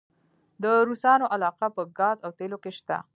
د روسانو علاقه په ګاز او تیلو کې شته؟